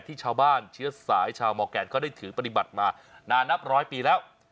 ที่ชาวบ้านเชื้อสายชาวมอร์แกนก็ได้ถือปฏิบัติมานานนับร้อยปีแล้ว